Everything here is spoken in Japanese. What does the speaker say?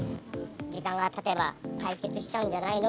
時間がたてば解決しちゃうんじゃないの？